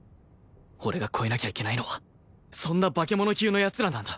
俺が超えなきゃいけないのはそんな化け物級の奴らなんだ